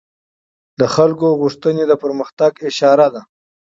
د خلکو غوښتنې د پرمختګ اشاره ده